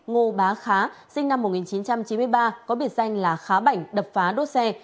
ngô bá khá sinh năm một nghìn chín trăm chín mươi ba có biệt danh là khá bảnh đập phá đốt xe